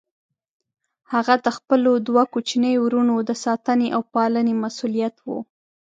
هغه د خپلو دوه کوچنيو وروڼو د ساتنې او پالنې مسئوليت و.